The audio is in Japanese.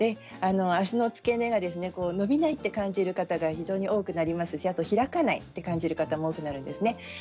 足の付け根が伸びないと感じる方が非常に多くなりますし開かないと感じる方も多くなります。